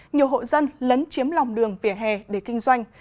nhiều hộ dân lấn chiếm lòng đường vỉa hè để kinh doanh